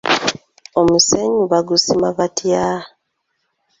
Omusenyu bagusima batya?